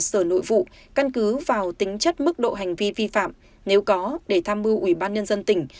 sở nội vụ căn cứ vào tính chất mức độ hành vi vi phạm nếu có để tham mưu ủy ban nhân dân tỉnh